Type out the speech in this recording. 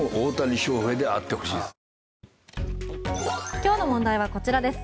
今日の問題はこちらです。